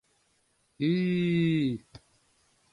Ӱ-ӱ-ӱ...